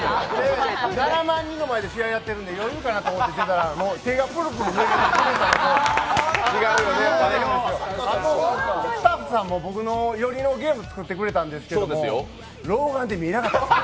７万人の前で試合やってるので余裕かなと思ってたら、もう手がプルプルスタッフさんも僕寄りのゲームを作ってくれたんですけど、老眼で見えなかった。